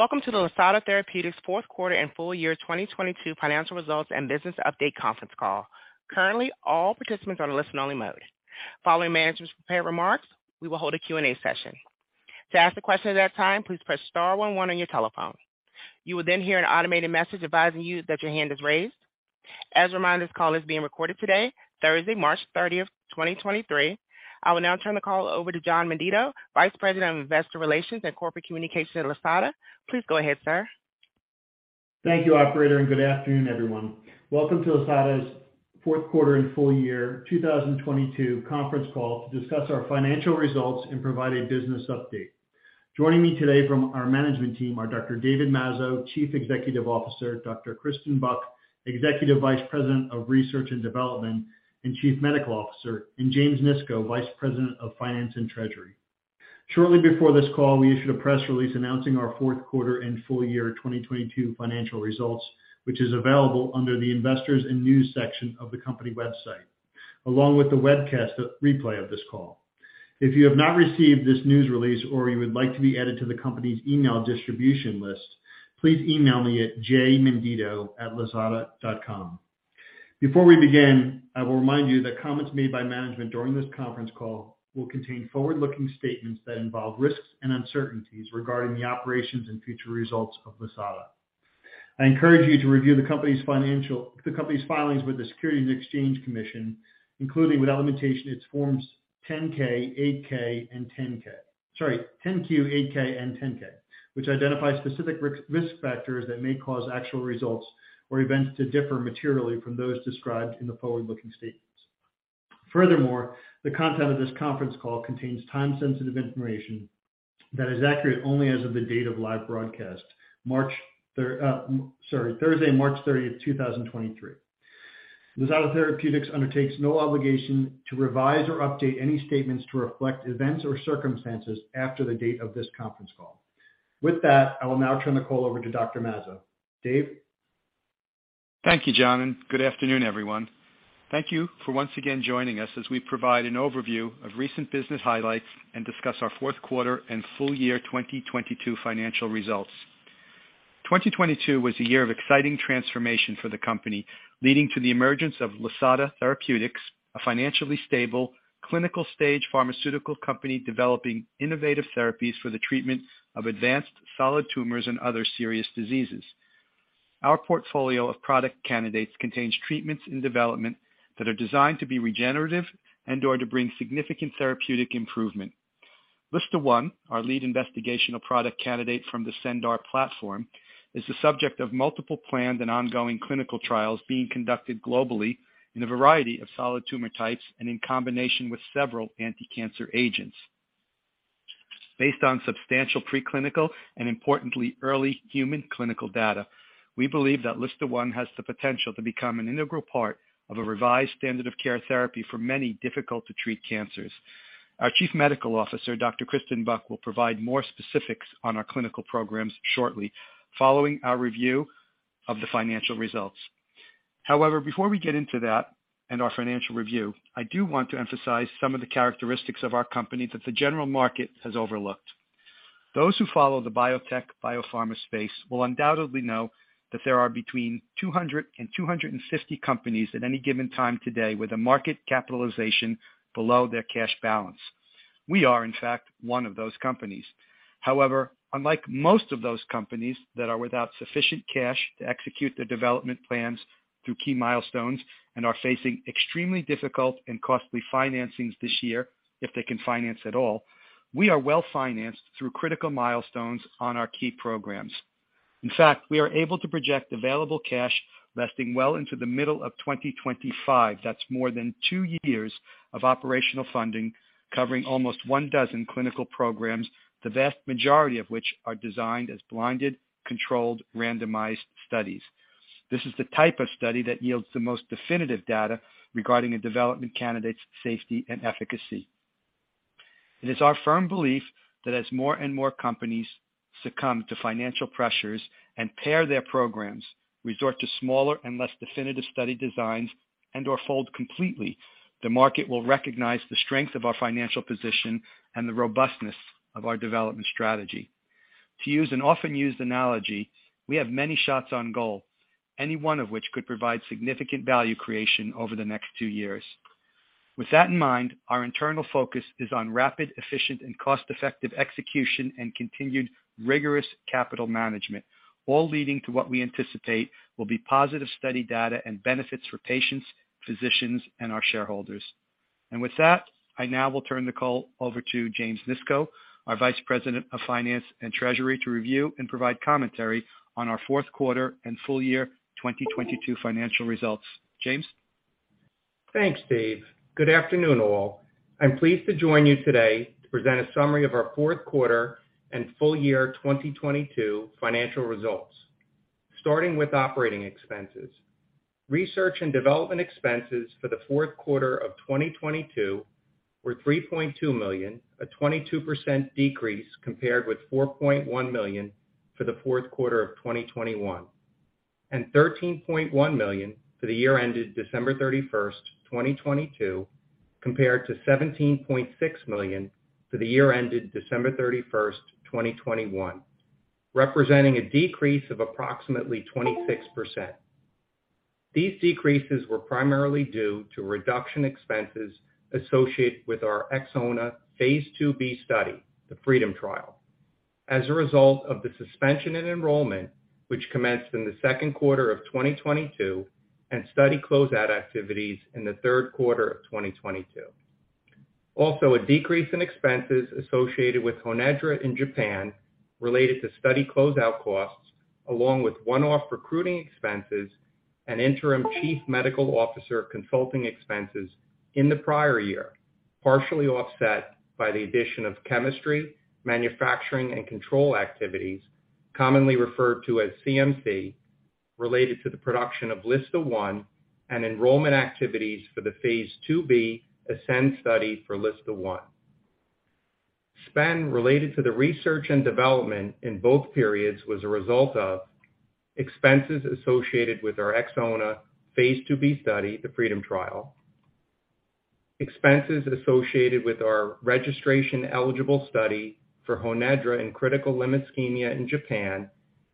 Welcome to the Lisata Therapeutics Fourth Quarter and Full Year 2022 Financial Results and Business Update Conference Call. Currently, all participants are on listen-only mode. Following management's prepared remarks, we will hold a Q&A session. To ask a question at that time, please press star one one on your telephone. You will then hear an automated message advising you that your hand is raised. As a reminder, this call is being recorded today, Thursday, March 30th, 2023. I will now turn the call over to John Menditto, Vice President of Investor Relations and Corporate Communications at Lisata. Please go ahead, sir. Thank you, operator, and good afternoon, everyone. Welcome to Lisata's fourth quarter and full year 2022 conference call to discuss our financial results and provide a business update. Joining me today from our management team are Dr. David Mazzo, Chief Executive Officer; Dr. Kristen Buck, Executive Vice President of Research and Development and Chief Medical Officer; and James Nisco, Vice President of Finance and Treasury. Shortly before this call, we issued a press release announcing our fourth quarter and full year 2022 financial results, which is available under the Investors & News section of the company website, along with the webcast replay of this call. If you have not received this news release or you would like to be added to the company's email distribution list, please email me at jmenditto@lisata.com. Before we begin, I will remind you that comments made by management during this conference call will contain forward-looking statements that involve risks and uncertainties regarding the operations and future results of Lisata. I encourage you to review the company's filings with the Securities and Exchange Commission, including without limitation, its forms 10-K, 8-K, and 10-K. Sorry, 10-Q, 8-K, and 10-K, which identify specific risk factors that may cause actual results or events to differ materially from those described in the forward-looking statements. Furthermore, the content of this conference call contains time-sensitive information that is accurate only as of the date of live broadcast, Thursday, March 30th, 2023. Lisata Therapeutics undertakes no obligation to revise or update any statements to reflect events or circumstances after the date of this conference call. With that, I will now turn the call over to Dr. Mazzo. Dave? Thank you, John. Good afternoon, everyone. Thank you for once again joining us as we provide an overview of recent business highlights and discuss our fourth quarter and full year 2022 financial results. 2022 was a year of exciting transformation for the company, leading to the emergence of Lisata Therapeutics, a financially stable clinical stage pharmaceutical company developing innovative therapies for the treatment of advanced solid tumors and other serious diseases. Our portfolio of product candidates contains treatments in development that are designed to be regenerative and/or to bring significant therapeutic improvement. LSTA1, our lead investigational product candidate from the CendR Platform, is the subject of multiple planned and ongoing clinical trials being conducted globally in a variety of solid tumor types and in combination with several anticancer agents. Based on substantial preclinical and importantly, early human clinical data, we believe that LSTA1 has the potential to become an integral part of a revised standard of care therapy for many difficult to treat cancers. Our Chief Medical Officer, Dr. Kristen Buck, will provide more specifics on our clinical programs shortly following our review of the financial results. However, before we get into that and our financial review, I do want to emphasize some of the characteristics of our company that the general market has overlooked. Those who follow the biotech biopharma space will undoubtedly know that there are between 200 and 250 companies at any given time today with a market capitalization below their cash balance. We are in fact one of those companies. However, unlike most of those companies that are without sufficient cash to execute their development plans through key milestones and are facing extremely difficult and costly financings this year, if they can finance at all, we are well-financed through critical milestones on our key programs. In fact, we are able to project available cash lasting well into the middle of 2025. That's more than two years of operational funding, covering almost 1 dozen clinical programs, the vast majority of which are designed as blinded, controlled, randomized studies. This is the type of study that yields the most definitive data regarding a development candidate's safety and efficacy. It is our firm belief that as more and more companies succumb to financial pressures and pare their programs, resort to smaller and less definitive study designs and/or fold completely, the market will recognize the strength of our financial position and the robustness of our development strategy. To use an often used analogy, we have many shots on goal, any one of which could provide significant value creation over the next two years. With that in mind, our internal focus is on rapid, efficient and cost-effective execution and continued rigorous capital management, all leading to what we anticipate will be positive study data and benefits for patients, physicians and our shareholders. With that, I now will turn the call over to James Nisco, our Vice President of Finance and Treasury, to review and provide commentary on our fourth quarter and full year 2022 financial results. James? Thanks, Dave. Good afternoon, all. I'm pleased to join you today to present a summary of our fourth quarter and full year 2022 financial results. Starting with operating expenses. Research and development expenses for the fourth quarter of 2022 were $3.2 million, a 22% decrease compared with $4.1 million for the fourth quarter of 2021. $13.1 million for the year ended December 31st, 2022, compared to $17.6 million for the year ended December 31st, 2021, representing a decrease of approximately 26%. These decreases were primarily due to reduction expenses associated with our XOWNA Phase IIb study, the FREEDOM Trial. As a result of the suspension and enrollment, which commenced in the second quarter of 2022 and study closeout activities in the third quarter of 2022. Also, a decrease in expenses associated with HONEDRA in Japan related to study closeout costs, along with one-off recruiting expenses and interim chief medical officer consulting expenses in the prior year, partially offset by the addition of chemistry, manufacturing, and control activities, commonly referred to as CMC, related to the production of LSTA1 and enrollment activities for the Phase IIb ASCEND study for LSTA1. Spend related to the research and development in both periods was a result of expenses associated with our XOWNA Phase IIb study, the FREEDOM Trial. Expenses associated with our registration-eligible study for HONEDRA in critical limb ischemia in Japan,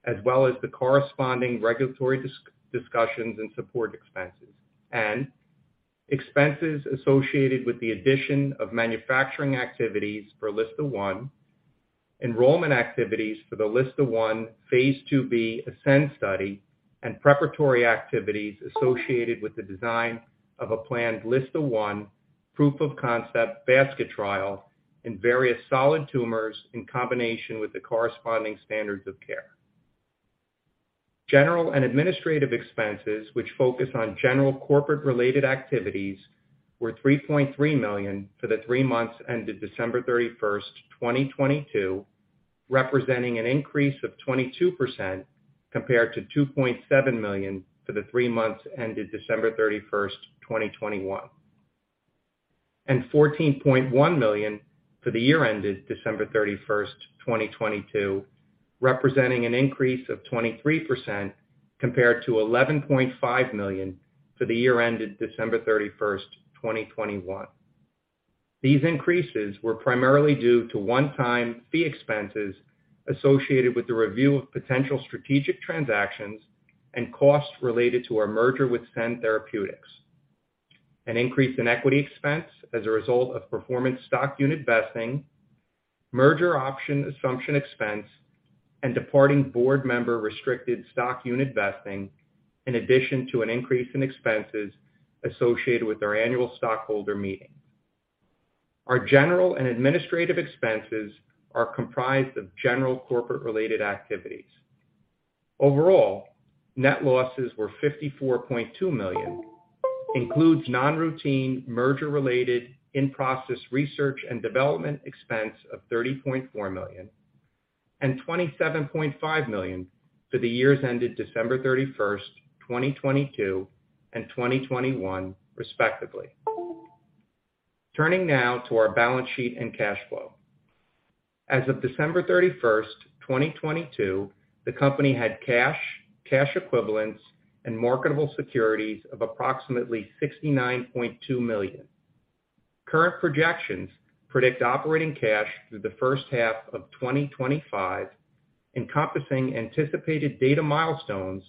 as well as the corresponding regulatory discussions and support expenses. Expenses associated with the addition of manufacturing activities for LSTA1, enrollment activities for the LSTA1 Phase IIb ASCEND study, and preparatory activities associated with the design of a planned LSTA1 proof of concept basket trial in various solid tumors in combination with the corresponding standards of care. General and administrative expenses, which focus on general corporate-related activities, were $3.3 million for the three months ended December 31st, 2022, representing an increase of 22% compared to $2.7 million for the three months ended December 31st, 2021. $14.1 million for the year ended December 31st, 2022, representing an increase of 23% compared to $11.5 million for the year ended December 31st, 2021. These increases were primarily due to one-time fee expenses associated with the review of potential strategic transactions and costs related to our merger with Cend Therapeutics, an increase in equity expense as a result of performance stock unit vesting, merger option assumption expense, and departing board member restricted stock unit vesting, in addition to an increase in expenses associated with our annual stockholder meeting. Our general and administrative expenses are comprised of general corporate-related activities. Overall, net losses were $54.2 million, includes non-routine merger-related in-process research and development expense of $30.4 million and $27.5 million for the years ended December 31st, 2022 and 2021 respectively. Turning now to our balance sheet and cash flow. As of December 31st, 2022, the company had cash equivalents, and marketable securities of approximately $69.2 million. Current projections predict operating cash through the first half of 2025, encompassing anticipated data milestones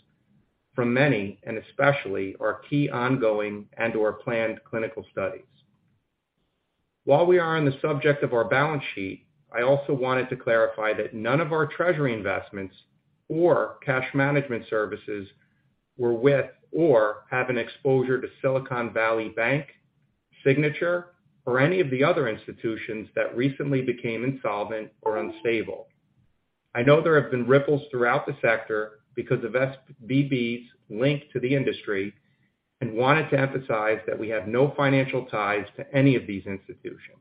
from many, and especially our key ongoing and or planned clinical studies. While we are on the subject of our balance sheet, I also wanted to clarify that none of our treasury investments or cash management services were with or have an exposure to Silicon Valley Bank, Signature, or any of the other institutions that recently became insolvent or unstable. I know there have been ripples throughout the sector because of SVB's link to the industry and wanted to emphasize that we have no financial ties to any of these institutions.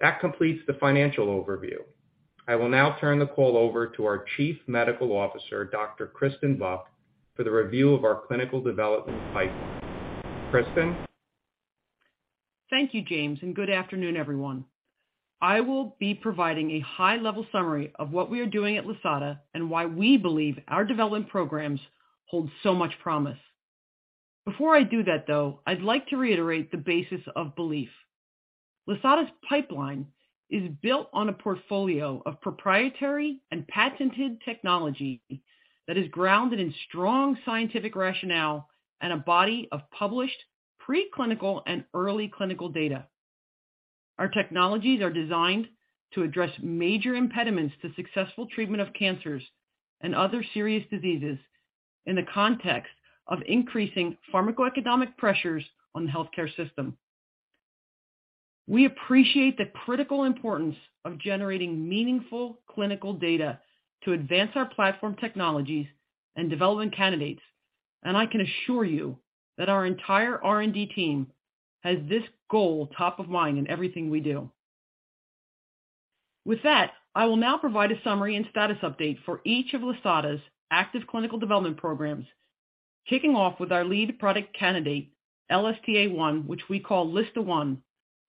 That completes the financial overview. I will now turn the call over to our Chief Medical Officer, Dr. Kristen Buck, for the review of our clinical development pipeline. Kristen? Thank you, James. Good afternoon, everyone. I will be providing a high-level summary of what we are doing at Lisata and why we believe our development programs hold so much promise. Before I do that, though, I'd like to reiterate the basis of belief. Lisata's pipeline is built on a portfolio of proprietary and patented technology that is grounded in strong scientific rationale and a body of published preclinical and early clinical data. Our technologies are designed to address major impediments to successful treatment of cancers and other serious diseases in the context of increasing pharmacoeconomic pressures on the healthcare system. We appreciate the critical importance of generating meaningful clinical data to advance our platform technologies and development candidates. I can assure you that our entire R&D team has this goal top of mind in everything we do. With that, I will now provide a summary and status update for each of Lisata's active clinical development programs. Kicking off with our lead product candidate, LSTA1, which we call LSTA1,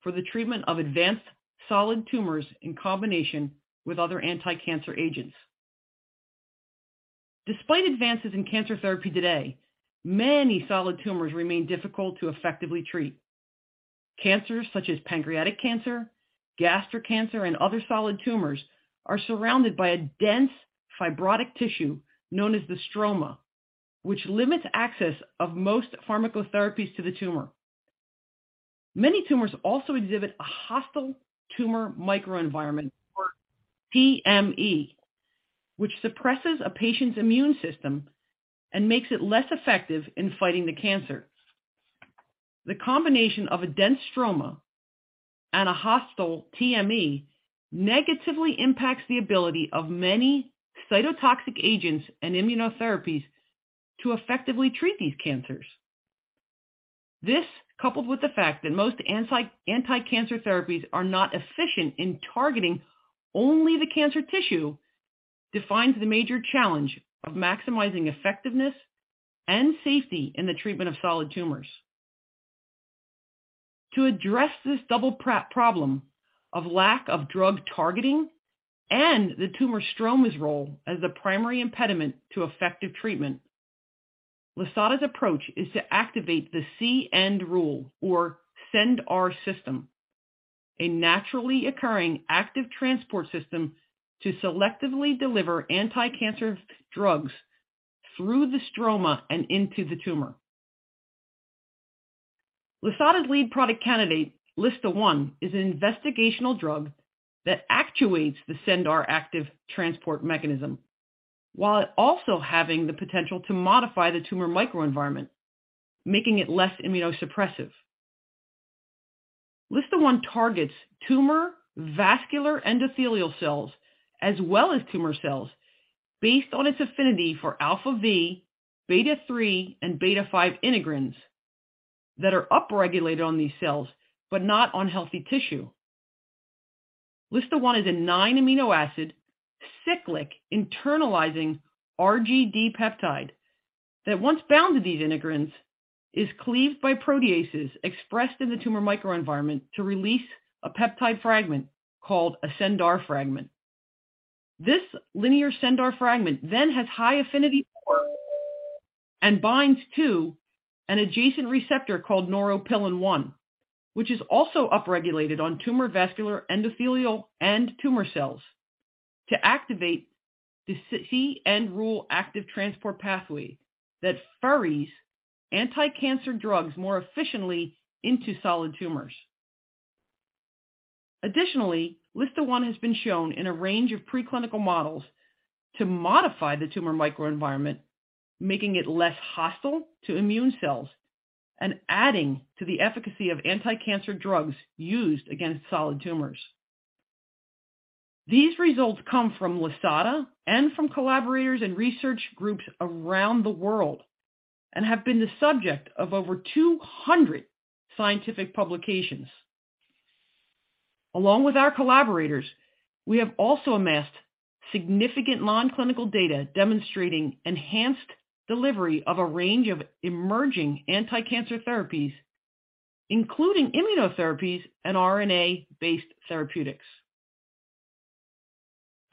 for the treatment of advanced solid tumors in combination with other anticancer agents. Despite advances in cancer therapy today, many solid tumors remain difficult to effectively treat. Cancers such as pancreatic cancer, gastric cancer, and other solid tumors are surrounded by a dense fibrotic tissue known as the stroma, which limits access of most pharmacotherapies to the tumor. Many tumors also exhibit a hostile tumor microenvironment or TME, which suppresses a patient's immune system and makes it less effective in fighting the cancer. The combination of a dense stroma and a hostile TME negatively impacts the ability of many cytotoxic agents and immunotherapies to effectively treat these cancers. This, coupled with the fact that most anti-cancer therapies are not efficient in targeting only the cancer tissue, defines the major challenge of maximizing effectiveness and safety in the treatment of solid tumors. To address this double problem of lack of drug targeting and the tumor stroma's role as the primary impediment to effective treatment, Lisata's approach is to activate the C-end Rule or CendR system, a naturally occurring active transport system to selectively deliver anticancer drugs through the stroma and into the tumor. Lisata's lead product candidate, LSTA1, is an investigational drug that actuates the CendR active transport mechanism while also having the potential to modify the tumor microenvironment, making it less immunosuppressive. LSTA1 targets tumor vascular endothelial cells as well as tumor cells based on its affinity for alpha-v, beta-3, and beta-5 integrins that are upregulated on these cells but not on healthy tissue. LSTA1 is a nine amino acid cyclic internalizing RGD peptide that once bound to these integrins, is cleaved by proteases expressed in the tumor microenvironment to release a peptide fragment called a CendR fragment. This linear CendR fragment has high affinity and binds to an adjacent receptor called neuropilin-1, which is also upregulated on tumor vascular endothelial and tumor cells to activate the C-end Rule active transport pathway that ferries anticancer drugs more efficiently into solid tumors. Additionally, LSTA1 has been shown in a range of preclinical models to modify the tumor microenvironment, making it less hostile to immune cells and adding to the efficacy of anticancer drugs used against solid tumors. These results come from Lisata and from collaborators and research groups around the world and have been the subject of over 200 scientific publications. Along with our collaborators, we have also amassed significant non-clinical data demonstrating enhanced delivery of a range of emerging anticancer therapies, including immunotherapies and RNA-based therapeutics.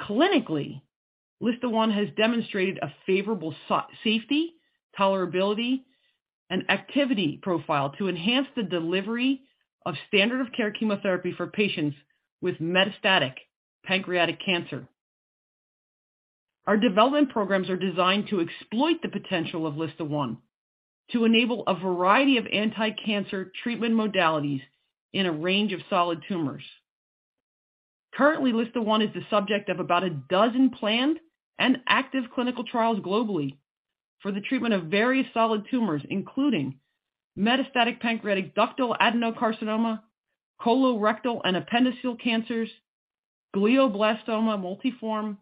Clinically, LSTA1 has demonstrated a favorable safety, tolerability, and activity profile to enhance the delivery of standard of care chemotherapy for patients with metastatic pancreatic cancer. Our development programs are designed to exploit the potential of LSTA1 to enable a variety of anticancer treatment modalities in a range of solid tumors. Currently, LSTA1 is the subject of about a dozen planned and active clinical trials globally for the treatment of various solid tumors, including metastatic pancreatic ductal adenocarcinoma, colorectal and appendiceal cancers, glioblastoma multiforme,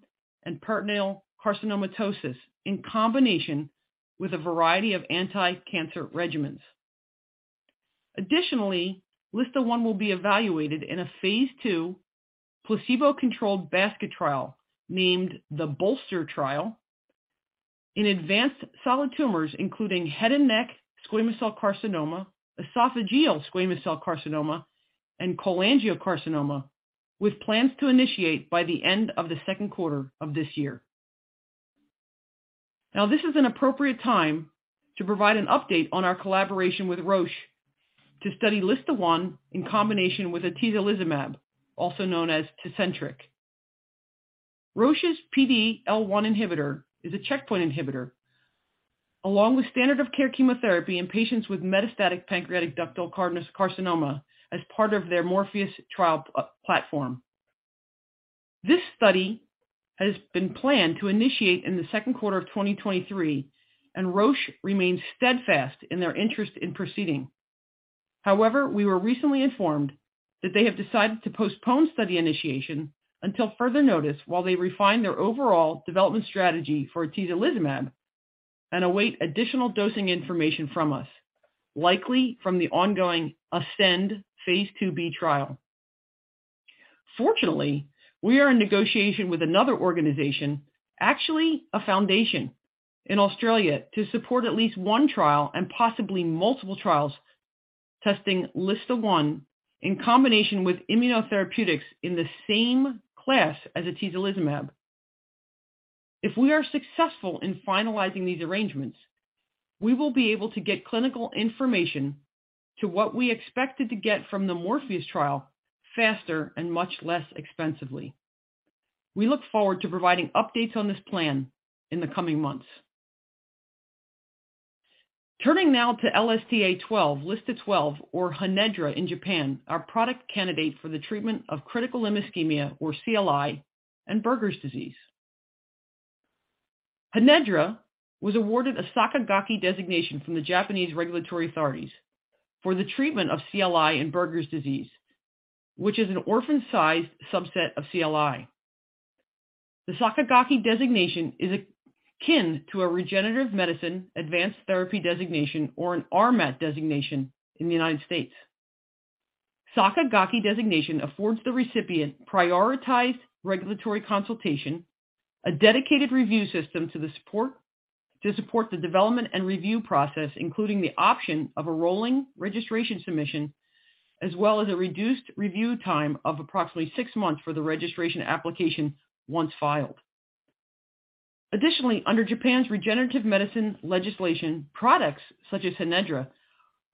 and peritoneal carcinomatosis in combination with a variety of anticancer regimens. Additionally, LSTA1 will be evaluated in a Phase II placebo-controlled basket trial named the BOLSTER trial in advanced solid tumors, including head and neck squamous cell carcinoma, esophageal squamous cell carcinoma, and cholangiocarcinoma, with plans to initiate by the end of the second quarter of this year. This is an appropriate time to provide an update on our collaboration with Roche to study LSTA1 in combination with atezolizumab, also known as Tecentriq. Roche's PD-L1 inhibitor is a checkpoint inhibitor along with standard of care chemotherapy in patients with metastatic pancreatic ductal carcinoma as part of their MORPHEUS trial platform. This study has been planned to initiate in the second quarter of 2023. Roche remains steadfast in their interest in proceeding. However, we were recently informed that they have decided to postpone study initiation until further notice while they refine their overall development strategy for atezolizumab and await additional dosing information from us, likely from the ongoing ASCEND Phase IIb trial. Fortunately, we are in negotiation with another organization, actually a foundation in Australia, to support at least 1 trial and possibly multiple trials testing LSTA1 in combination with immunotherapeutics in the same class as atezolizumab. If we are successful in finalizing these arrangements, we will be able to get clinical information to what we expected to get from the MORPHEUS trial faster and much less expensively. We look forward to providing updates on this plan in the coming months. Turning now to LSTA12 or HONEDRA in Japan, our product candidate for the treatment of critical limb ischemia or CLI and Buerger's disease. HONEDRA was awarded a SAKIGAKE designation from the Japanese regulatory authorities for the treatment of CLI and Buerger's disease, which is an orphan-sized subset of CLI. The SAKIGAKE designation is akin to a regenerative medicine advanced therapy designation or an RMAT designation in the United States. SAKIGAKE designation affords the recipient prioritized regulatory consultation, a dedicated review system to support the development and review process, including the option of a rolling registration submission, as well as a reduced review time of approximately 6 months for the registration application once filed. Additionally, under Japan's regenerative medicine legislation, products such as HONEDRA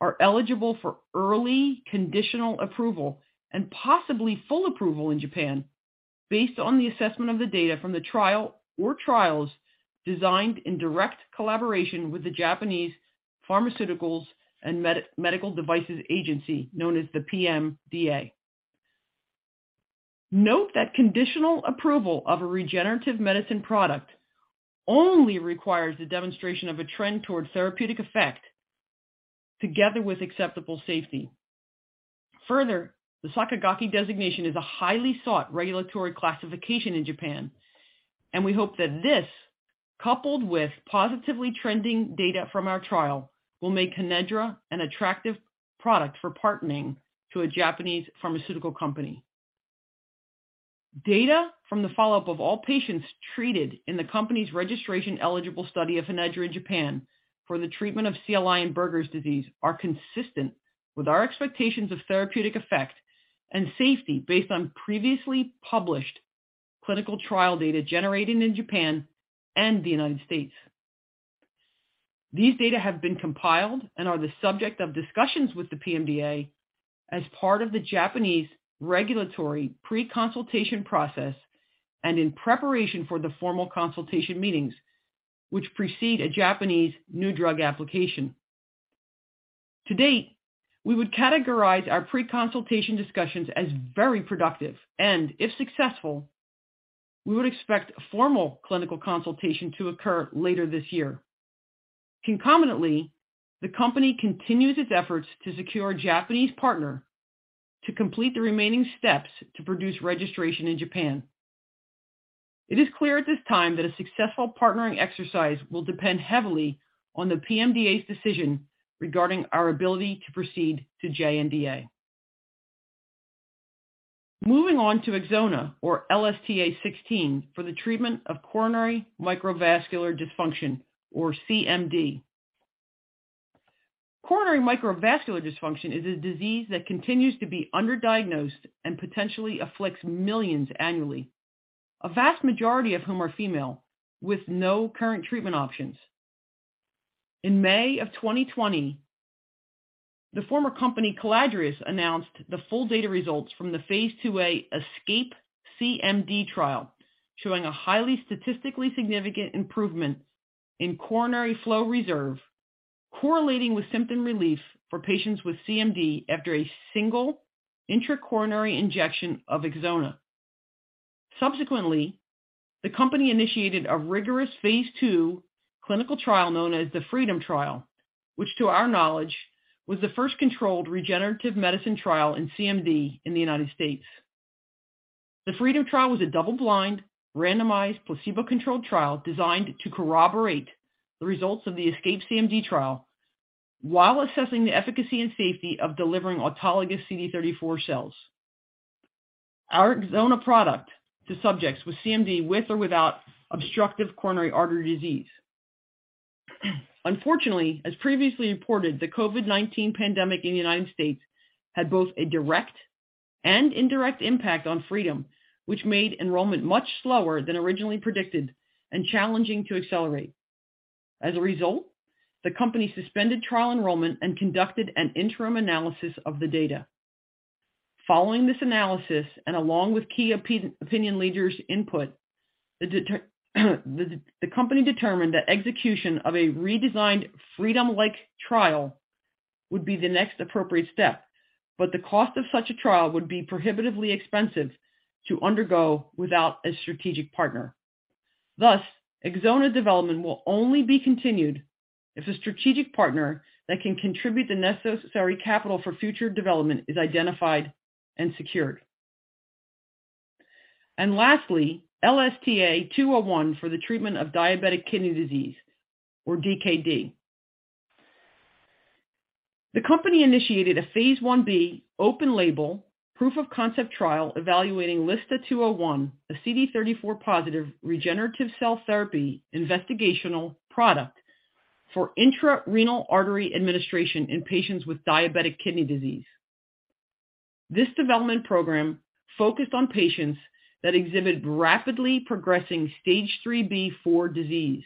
are eligible for early conditional approval and possibly full approval in Japan based on the assessment of the data from the trial or trials designed in direct collaboration with the Japanese Pharmaceuticals and Medical Devices Agency, known as the PMDA. Note that conditional approval of a regenerative medicine product only requires the demonstration of a trend towards therapeutic effect together with acceptable safety. Further, the SAKIGAKE designation is a highly sought regulatory classification in Japan, and we hope that this, coupled with positively trending data from our trial will make HONEDRA an attractive product for partnering to a Japanese pharmaceutical company. Data from the follow-up of all patients treated in the company's registration eligible study of HONEDRA in Japan for the treatment of CLI and Buerger's disease are consistent with our expectations of therapeutic effect and safety based on previously published clinical trial data generated in Japan and the United States. These data have been compiled and are the subject of discussions with the PMDA as part of the Japanese regulatory pre-consultation process and in preparation for the formal consultation meetings which precede a Japanese new drug application. To date, we would categorize our pre-consultation discussions as very productive and if successful, we would expect a formal clinical consultation to occur later this year. Concomitantly, the company continues its efforts to secure a Japanese partner to complete the remaining steps to produce registration in Japan. It is clear at this time that a successful partnering exercise will depend heavily on the PMDA's decision regarding our ability to proceed to JNDA. Moving on to XOWNA or LSTA16 for the treatment of coronary microvascular dysfunction, or CMD. Coronary microvascular dysfunction is a disease that continues to be underdiagnosed and potentially afflicts millions annually, a vast majority of whom are female with no current treatment options. In May of 2020, the former company Caladrius announced the full data results from the Phase IIa ESCaPE-CMD trial, showing a highly statistically significant improvement in coronary flow reserve, correlating with symptom relief for patients with CMD after a single intracoronary injection of XOWNA. The company initiated a rigorous Phase II clinical trial known as the FREEDOM Trial, which to our knowledge was the first controlled regenerative medicine trial in CMD in the United States. The FREEDOM Trial was a double-blind, randomized, placebo-controlled trial designed to corroborate the results of the ESCaPE-CMD trial while assessing the efficacy and safety of delivering autologous CD34+ cells. Our XOWNA product to subjects with CMD, with or without obstructive coronary artery disease. Unfortunately, as previously reported, the COVID-19 pandemic in the United States had both a direct and indirect impact on FREEDOM, which made enrollment much slower than originally predicted and challenging to accelerate. As a result, the company suspended trial enrollment and conducted an interim analysis of the data. Following this analysis, and along with key opinion leaders' input, the company determined that execution of a redesigned FREEDOM-like trial would be the next appropriate step, the cost of such a trial would be prohibitively expensive to undergo without a strategic partner. Thus, XOWNA development will only be continued if a strategic partner that can contribute the necessary capital for future development is identified and secured. Lastly, LSTA201 for the treatment of diabetic kidney disease or DKD. The company initiated a Phase Ib open label proof of concept trial evaluating LSTA201, a CD34+ regenerative cell therapy investigational product for intra-renal artery administration in patients with diabetic kidney disease. This development program focused on patients that exhibit rapidly progressing Stage 3b, 4 disease.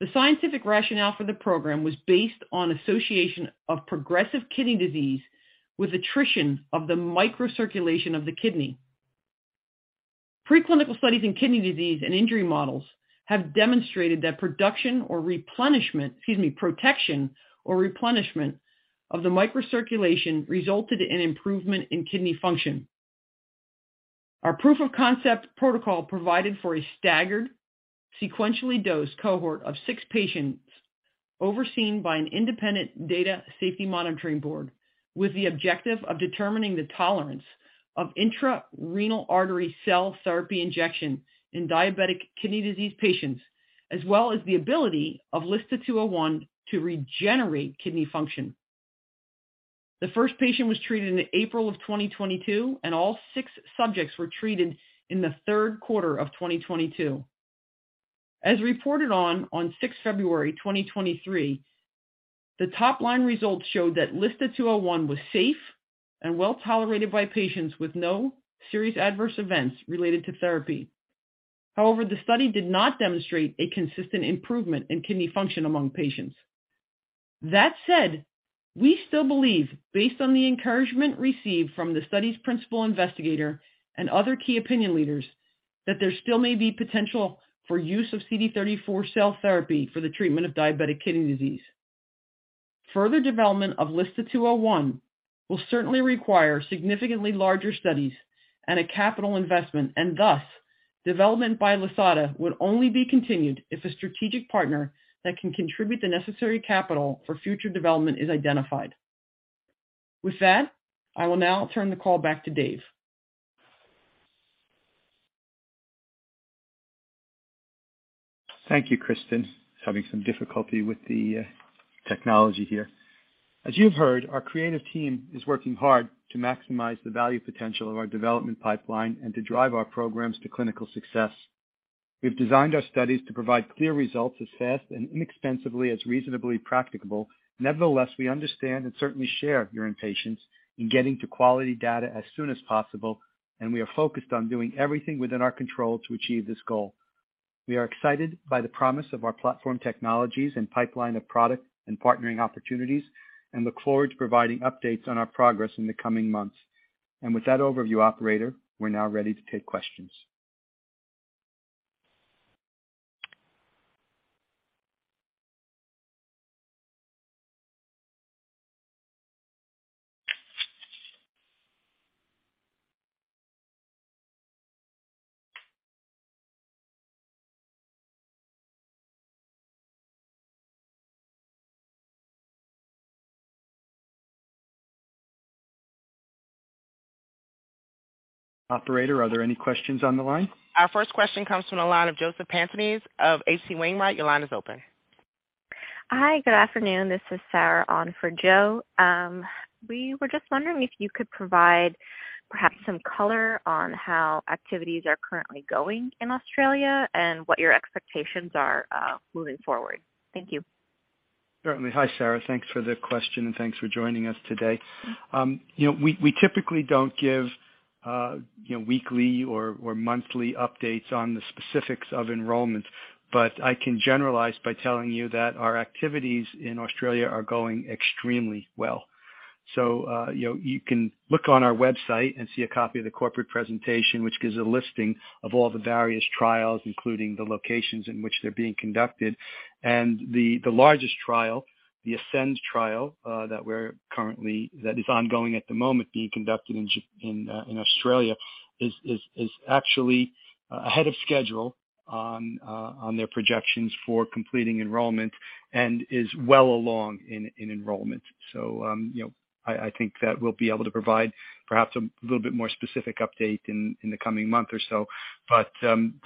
The scientific rationale for the program was based on association of progressive kidney disease with attrition of the microcirculation of the kidney. Preclinical studies in kidney disease and injury models have demonstrated that excuse me, protection or replenishment of the microcirculation resulted in improvement in kidney function. Our proof of concept protocol provided for a staggered sequentially dosed cohort of six patients overseen by an independent data safety monitoring board, with the objective of determining the tolerance of intra-renal artery cell therapy injection in diabetic kidney disease patients, as well as the ability of LSTA201 to regenerate kidney function. The first patient was treated in April of 2022, and all six subjects were treated in the third quarter of 2022. As reported on 6th February 2023, the top line results showed that LSTA201 was safe and well tolerated by patients with no serious adverse events related to therapy. However, the study did not demonstrate a consistent improvement in kidney function among patients. That said, we still believe, based on the encouragement received from the study's principal investigator and other key opinion leaders, that there still may be potential for use of CD34+ cell therapy for the treatment of diabetic kidney disease. Further development of LSTA201 will certainly require significantly larger studies and a capital investment, and thus development by Lisata would only be continued if a strategic partner that can contribute the necessary capital for future development is identified. With that, I will now turn the call back to Dave. Thank you, Kristen. Just having some difficulty with the technology here. As you've heard, our creative team is working hard to maximize the value potential of our development pipeline and to drive our programs to clinical success. We've designed our studies to provide clear results as fast and inexpensively as reasonably practicable. Nevertheless, we understand and certainly share your impatience in getting to quality data as soon as possible, and we are focused on doing everything within our control to achieve this goal. We are excited by the promise of our platform technologies and pipeline of product and partnering opportunities and look forward to providing updates on our progress in the coming months. With that overview operator, we're now ready to take questions. Operator, are there any questions on the line? Our first question comes from the line of Joseph Pantginis of H.C. Wainwright. Your line is open. Hi, good afternoon. This is Sara on for Joe. We were just wondering if you could provide perhaps some color on how activities are currently going in Australia and what your expectations are moving forward. Thank you. Certainly. Hi, Sara. Thanks for the question and thanks for joining us today. you know, we typically don't give, you know, weekly or monthly updates on the specifics of enrollment, but I can generalize by telling you that our activities in Australia are going extremely well. you know, you can look on our website and see a copy of the corporate presentation, which gives a listing of all the various trials, including the locations in which they're being conducted. The largest trial, the ASCEND trial, that is ongoing at the moment, being conducted in Australia, is actually ahead of schedule on their projections for completing enrollment and is well along in enrollment. You know, I think that we'll be able to provide perhaps a little bit more specific update in the coming month or so, but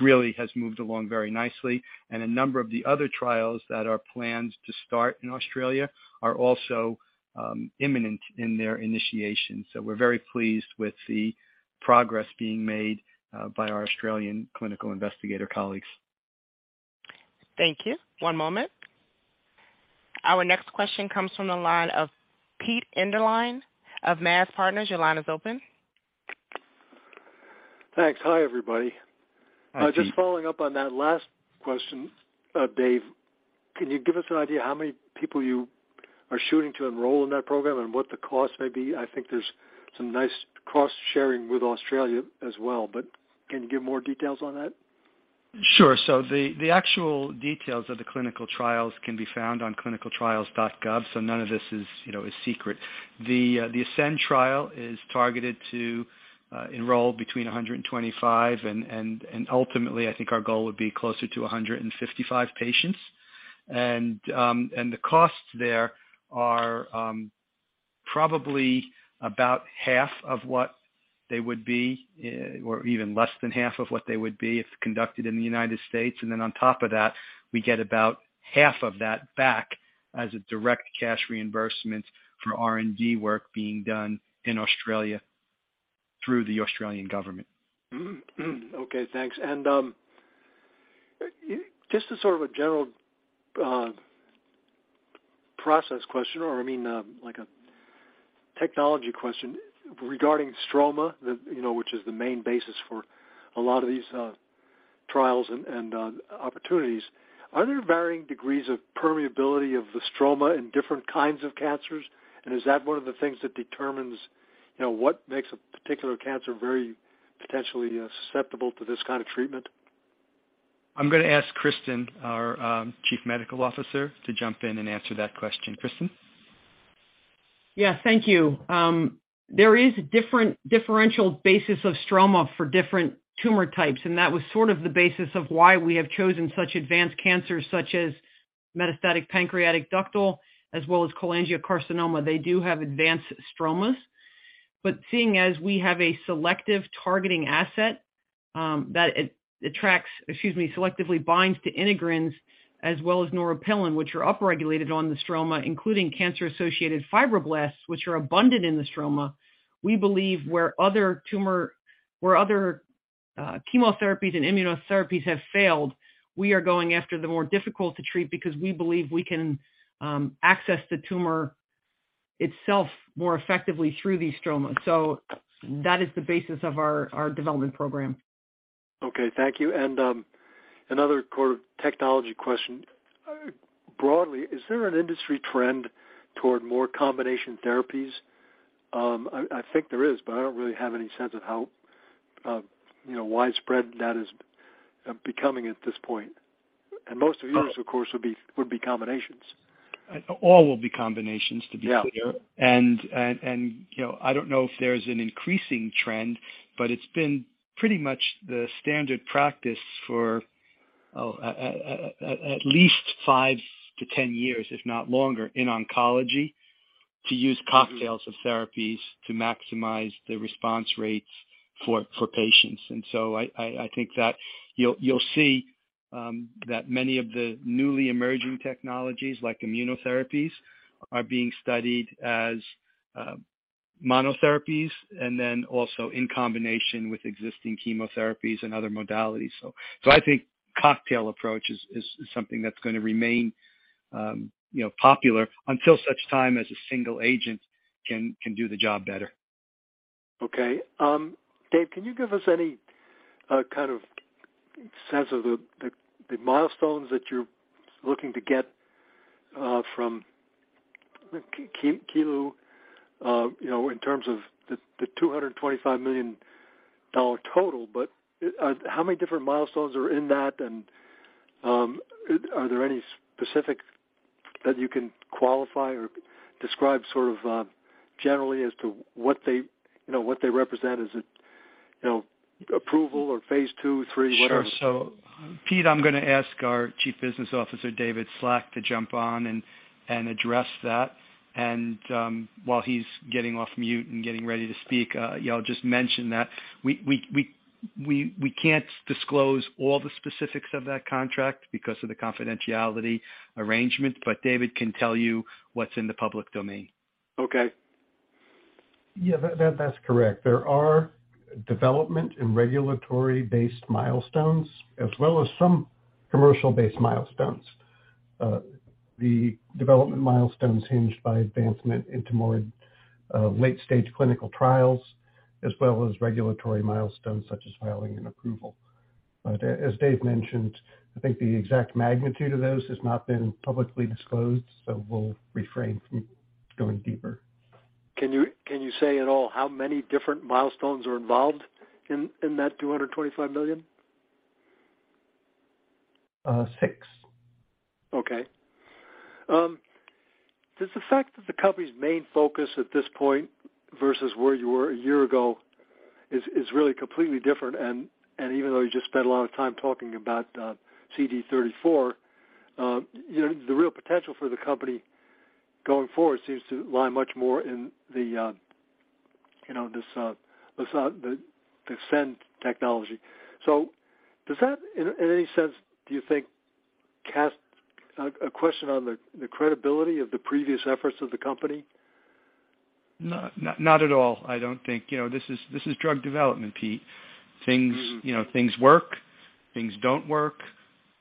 really has moved along very nicely. A number of the other trials that are planned to start in Australia are also imminent in their initiation. We're very pleased with the progress being made by our Australian clinical investigator colleagues. Thank you. One moment. Our next question comes from the line of Pete Enderlin of MAZ Partners. Your line is open. Thanks. Hi, everybody. Hi, Pete. Just following up on that last question, Dave, can you give us an idea how many people you are shooting to enroll in that program and what the cost may be? I think there's some nice cost sharing with Australia as well, but can you give more details on that? Sure. The actual details of the clinical trials can be found on ClinicalTrials.gov, so none of this is, you know, is secret. The ASCEND trial is targeted to enroll between 125 and ultimately I think our goal would be closer to 155 patients. The costs there are probably about half of what they would be or even less than half of what they would be if conducted in the United States. Then on top of that, we get about half of that back as a direct cash reimbursement for R&D work being done in Australia through the Australian government. Okay, thanks. Just a sort of a general process question or, I mean, like a technology question regarding stroma, the, you know, which is the main basis for a lot of these trials and, opportunities. Are there varying degrees of permeability of the stroma in different kinds of cancers? Is that one of the things that determines, you know, what makes a particular cancer very potentially susceptible to this kind of treatment? I'm gonna ask Kristen, our, Chief Medical Officer, to jump in and answer that question. Kristen? Yeah, thank you. There is differential basis of stroma for different tumor types, that was sort of the basis of why we have chosen such advanced cancers such as metastatic pancreatic ductal as well as cholangiocarcinoma. They do have advanced stromas. Seeing as we have a selective targeting asset, that attracts, excuse me, selectively binds to integrins as well as neuropilin, which are upregulated on the stroma, including cancer-associated fibroblasts, which are abundant in the stroma. We believe where other chemotherapies and immunotherapies have failed, we are going after the more difficult to treat because we believe we can access the tumor itself more effectively through these stromas. That is the basis of our development program. Okay. Thank you. Another core technology question. Broadly, is there an industry trend toward more combination therapies? I think there is, but I don't really have any sense of how, you know, widespread that is becoming at this point. Most of yours, of course, would be combinations. All will be combinations, to be clear. Yeah. You know, I don't know if there's an increasing trend, but it's been pretty much the standard practice for at least five to 10 years, if not longer, in oncology, to use cocktails of therapies to maximize the response rates for patients. I think that you'll see that many of the newly emerging technologies, like immunotherapies, are being studied as monotherapies and then also in combination with existing chemotherapies and other modalities. I think cocktail approach is something that's gonna remain, you know, popular until such time as a single agent can do the job better. Dave, can you give us any kind of sense of the milestones that you're looking to get from Qilu, you know, in terms of the $225 million total, but how many different milestones are in that and are there any specific that you can qualify or describe sort of generally as to what they, you know, what they represent as a, you know, approval or Phase II, III, whatever? Sure. Pete, I'm gonna ask our Chief Business Officer, David Slack, to jump on and address that. While he's getting off mute and getting ready to speak, I'll just mention that we can't disclose all the specifics of that contract because of the confidentiality arrangement, but David can tell you what's in the public domain. Okay. Yeah, that's correct. There are development and regulatory-based milestones as well as some commercial-based milestones. The development milestones hinged by advancement into more late-stage clinical trials as well as regulatory milestones such as filing and approval. As Dave mentioned, I think the exact magnitude of those has not been publicly disclosed, so we'll refrain from going deeper. Can you say at all how many different milestones are involved in that $225 million? Six. Okay. Does the fact that the company's main focus at this point versus where you were a year ago is really completely different, and, even though you just spent a lot of time talking about, CD34+, you know, the real potential for the company going forward seems to lie much more in the, you know, this, the CendR technology. Does that in any sense, do you think, cast a question on the credibility of the previous efforts of the company? Not at all, I don't think. You know, this is drug development, Pete. Mm-hmm. You know, things work, things don't work.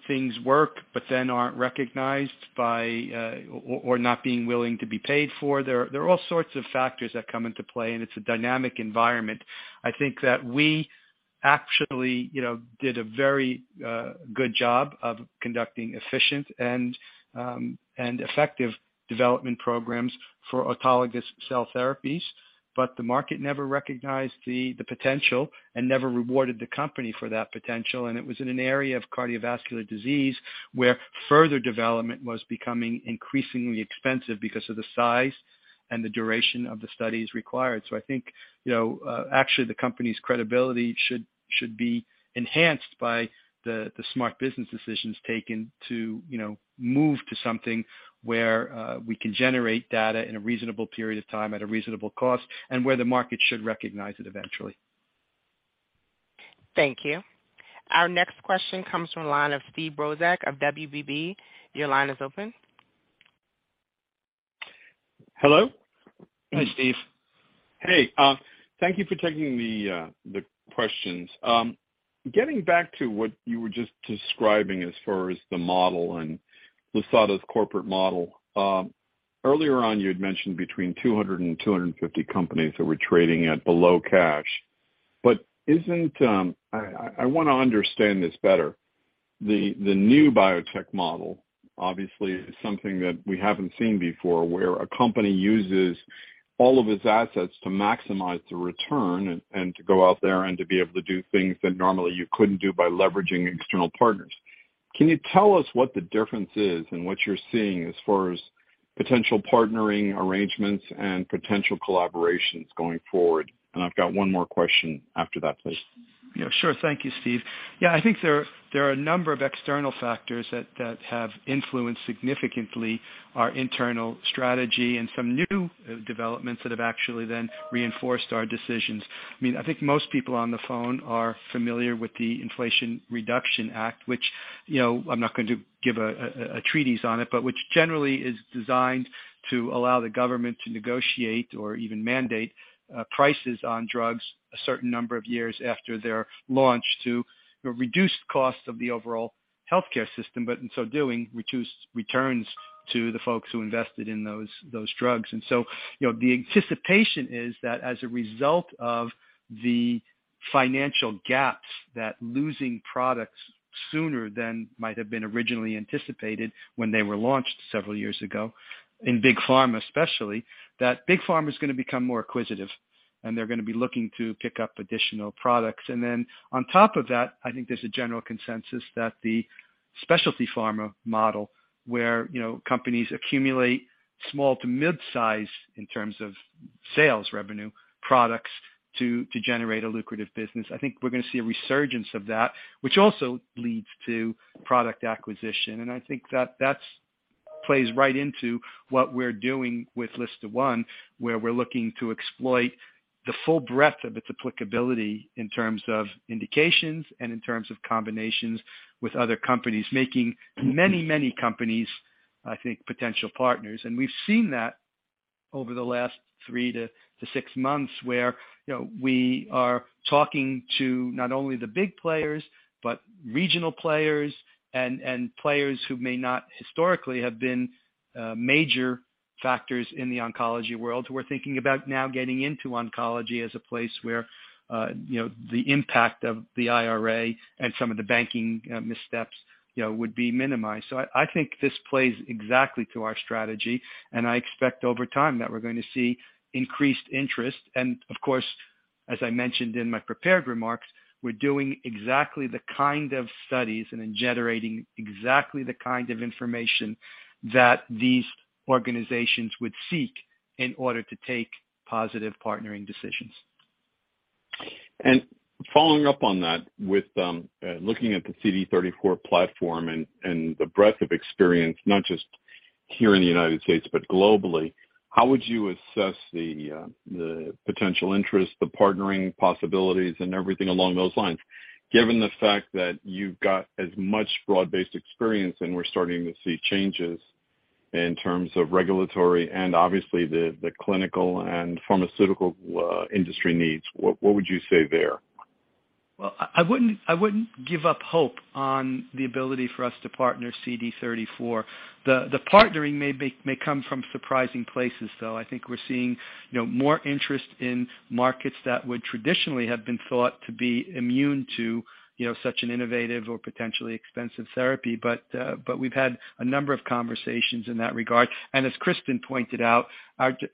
Things work, but then aren't recognized by, or not being willing to be paid for. There are, there are all sorts of factors that come into play, and it's a dynamic environment. I think that we actually, you know, did a very good job of conducting efficient and effective development programs for autologous cell therapies, but the market never recognized the potential and never rewarded the company for that potential. It was in an area of cardiovascular disease where further development was becoming increasingly expensive because of the size and the duration of the studies required. I think, you know, actually the company's credibility should be enhanced by the smart business decisions taken to, you know, move to something where we can generate data in a reasonable period of time at a reasonable cost and where the market should recognize it eventually. Thank you. Our next question comes from the line of Steve Brozak of WBB. Your line is open. Hello. Hi, Steve. Hey. Thank you for taking the questions. Getting back to what you were just describing as far as the model and Lisata's corporate model. Earlier on, you had mentioned between 200 and 250 companies that were trading at below cash. I wanna understand this better. The new biotech model obviously is something that we haven't seen before, where a company uses all of its assets to maximize the return and to go out there and to be able to do things that normally you couldn't do by leveraging external partners. Can you tell us what the difference is and what you're seeing as far as potential partnering arrangements and potential collaborations going forward? I've got one more question after that, please. Yeah, sure. Thank you, Steve. I think there are a number of external factors that have influenced significantly our internal strategy and some new developments that have actually then reinforced our decisions. I mean, I think most people on the phone are familiar with the Inflation Reduction Act, which, you know, I'm not going to give a treatise on it, but which generally is designed to allow the government to negotiate or even mandate prices on drugs a certain number of years after their launch to reduce costs of the overall healthcare system, but in so doing, reduce returns to the folks who invested in those drugs. You know, the anticipation is that as a result of the financial gaps, that losing products sooner than might have been originally anticipated when they were launched several years ago, in big pharma especially, that big pharma is gonna become more acquisitive, and they're gonna be looking to pick up additional products. Then on top of that, I think there's a general consensus that the specialty pharma model, where, you know, companies accumulate small to mid-size in terms of sales revenue products to generate a lucrative business. I think we're gonna see a resurgence of that, which also leads to product acquisition. I think that that's plays right into what we're doing with LSTA1, where we're looking to exploit the full breadth of its applicability in terms of indications and in terms of combinations with other companies, making many companies, I think, potential partners. We've seen that over the last three to six months, where, you know, we are talking to not only the big players, but regional players and players who may not historically have been major factors in the oncology world, who are thinking about now getting into oncology as a place where, you know, the impact of the IRA and some of the banking missteps, you know, would be minimized. I think this plays exactly to our strategy, and I expect over time that we're going to see increased interest. Of course, as I mentioned in my prepared remarks, we're doing exactly the kind of studies and then generating exactly the kind of information that these organizations would seek in order to take positive partnering decisions. Following up on that with, looking at the CD34+ platform and the breadth of experience, not just here in the United States, but globally, how would you assess the potential interest, the partnering possibilities and everything along those lines, given the fact that you've got as much broad-based experience and we're starting to see changes in terms of regulatory and obviously the clinical and pharmaceutical industry needs, what would you say there? Well, I wouldn't give up hope on the ability for us to partner CD34+. The partnering may be, may come from surprising places, though. I think we're seeing, you know, more interest in markets that would traditionally have been thought to be immune to, you know, such an innovative or potentially expensive therapy. We've had a number of conversations in that regard. As Kristen pointed out,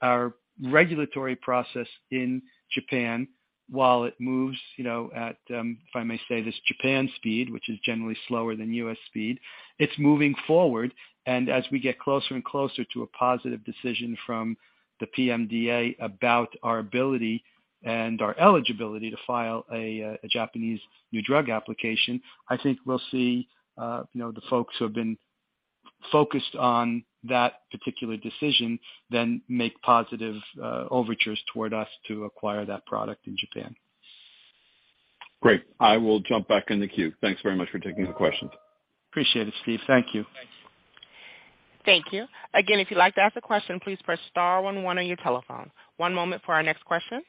our regulatory process in Japan, while it moves, you know, at, if I may say, this Japan speed, which is generally slower than U.S. speed, it's moving forward. As we get closer and closer to a positive decision from the PMDA about our ability and our eligibility to file a Japanese new drug application, I think we'll see, you know, the folks who have been focused on that particular decision then make positive overtures toward us to acquire that product in Japan. Great. I will jump back in the queue. Thanks very much for taking the questions. Appreciate it, Steve. Thank you. Thank you. Again, if you'd like to ask a question, please press star one one on your telephone. One moment for our next question.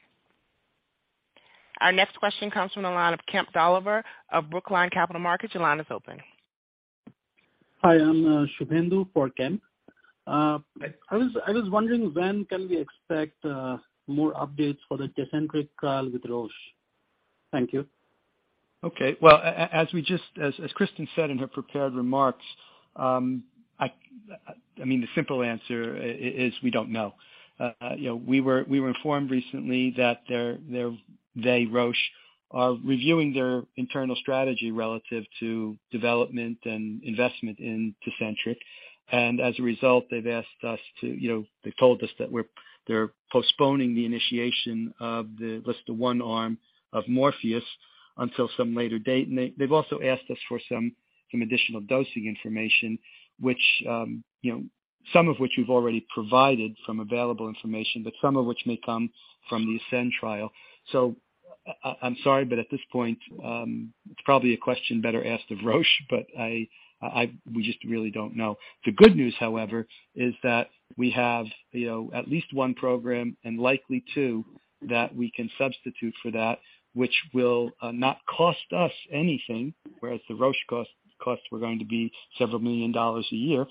Our next question comes from the line of Kemp Dolliver of Brookline Capital Markets. Your line is open. Hi, I'm Shubhendu for Kemp. I was wondering, when can we expect more updates for the Tecentriq trial with Roche? Thank you. Okay. Well, as Kristen said in her prepared remarks, I mean, the simple answer is we don't know. You know, we were informed recently that their-- they, Roche, are reviewing their internal strategy relative to development and investment in Tecentriq. As a result, they've asked us to, you know, they told us that they're postponing the initiation of the LSTA1 arm of MORPHEUS until some later date. They've also asked us for some additional dosing information, which, you know. Some of which we've already provided from available information, but some of which may come from the ASCEND trial. I'm sorry, but at this point, it's probably a question better asked of Roche, but we just really don't know. The good news, however, is that we have, you know, at least one program and likely two that we can substitute for that, which will not cost us anything, whereas the Roche costs were going to be several million dollars a year,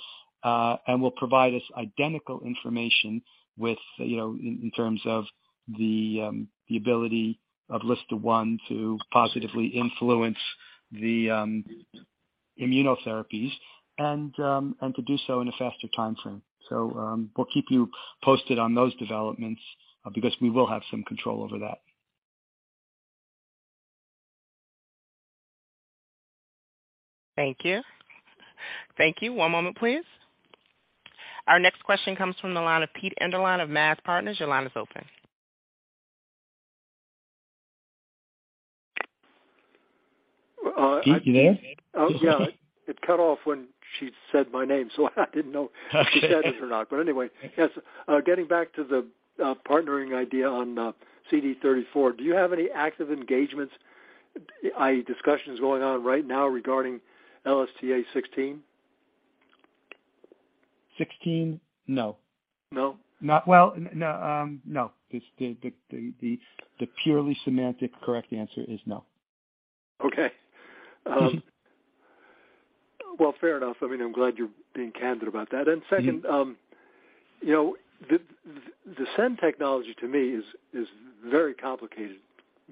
and will provide us identical information with, you know, in terms of the ability of LSTA1 to positively influence the immunotherapies and to do so in a faster timeframe. We'll keep you posted on those developments because we will have some control over that. Thank you. Thank you. One moment please. Our next question comes from the line of Peter Enderlin of MAZ Partners. Your line is open. Uh, I- Pete, you there? Oh, yeah. It cut off when she said my name, so I didn't know- Okay. if she said it or not, but anyway. Yes. getting back to the partnering idea on CD34+, do you have any active engagements, i.e. discussions going on right now regarding LSTA16? 16? No. No? Not well. No, no. The purely semantic correct answer is no. Okay. Well, fair enough. I mean, I'm glad you're being candid about that. Mm-hmm. Second, you know, the CendR technology to me is very complicated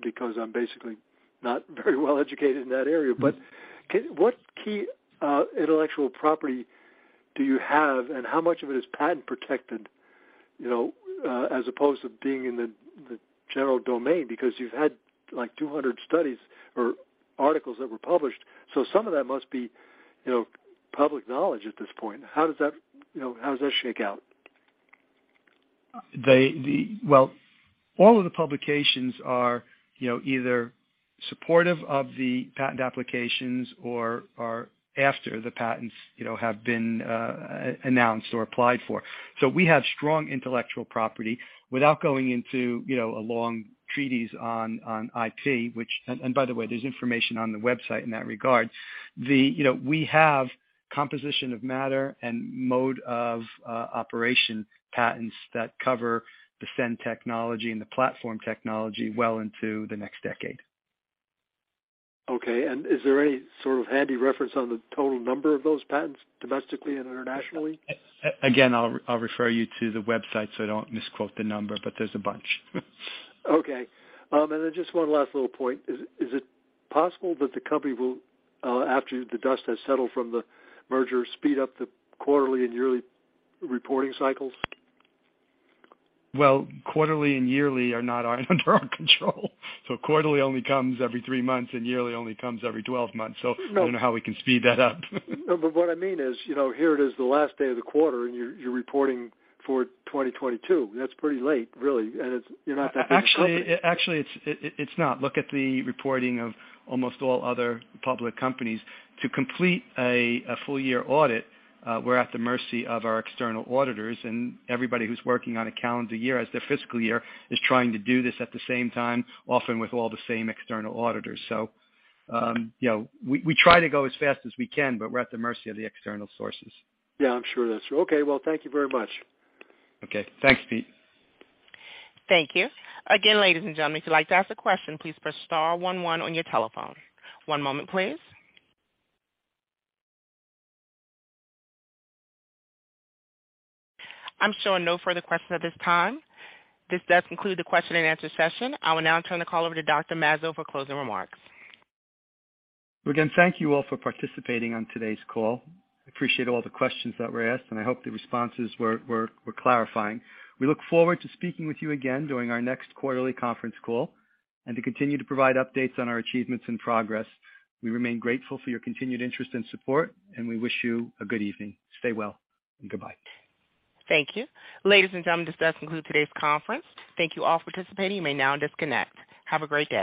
because I'm basically not very well educated in that area. Mm-hmm. What key intellectual property do you have, and how much of it is patent protected, you know, as opposed to being in the general domain? You've had like 200 studies or articles that were published, some of that must be, you know, public knowledge at this point. How does that, you know, how does that shake out? Well, all of the publications are, you know, either supportive of the patent applications or are after the patents, you know, have been announced or applied for. We have strong intellectual property. Without going into, you know, a long treatise on IP. By the way, there's information on the website in that regard. You know, we have composition of matter and mode of operation patents that cover the CendR technology and the platform technology well into the next decade. Okay. Is there any sort of handy reference on the total number of those patents domestically and internationally? Again, I'll refer you to the website, so I don't misquote the number, but there's a bunch. Okay. Just one last little point. Is it possible that the company will after the dust has settled from the merger, speed up the quarterly and yearly reporting cycles? Well, quarterly and yearly are not under our control. Quarterly only comes every three months, and yearly only comes every 12 months. No- I don't know how we can speed that up. No, what I mean is, you know, here it is, the last day of the quarter and you're reporting for 2022. That's pretty late, really, and you're not that big a company. Actually, it's not. Look at the reporting of almost all other public companies. To complete a full year audit, we're at the mercy of our external auditors and everybody who's working on a calendar year as their fiscal year is trying to do this at the same time, often with all the same external auditors. you know, we try to go as fast as we can, but we're at the mercy of the external sources. Yeah, I'm sure that's true. Well, thank you very much. Okay. Thanks, Pete. Thank you. Again, ladies and gentlemen, if you'd like to ask a question, please press star one one on your telephone. One moment, please. I'm showing no further questions at this time. This does conclude the question-and-answer session. I will now turn the call over to Dr. Mazzo for closing remarks. We again thank you all for participating on today's call. I appreciate all the questions that were asked, and I hope the responses were clarifying. We look forward to speaking with you again during our next quarterly conference call and to continue to provide updates on our achievements and progress. We remain grateful for your continued interest and support, and we wish you a good evening. Stay well, and goodbye. Thank you. Ladies and gentlemen, this does conclude today's conference. Thank you all for participating. You may now disconnect. Have a great day.